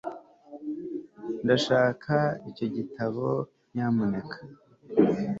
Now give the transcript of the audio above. ndashaka icyo gitabo, nyamuneka